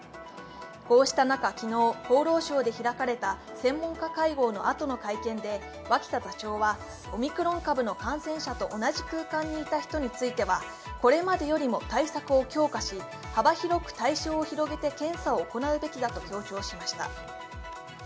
こうした中、昨日、厚労省で開かれた専門家会合のあとの会見で脇田座長はオミクロン株の感染者と同じ空間にいた人についてはこれまでよりも対策を強化し、幅広く対象を広げて検査を行うべきだと強調しました。